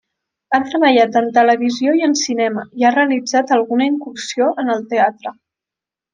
Ha treballat en televisió i en cinema, i ha realitzat alguna incursió en el teatre.